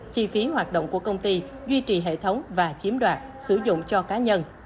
chi phí hoạt động của công ty duy trì hệ thống và chiếm đoạt sử dụng cho cá nhân